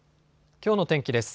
きょうの天気です。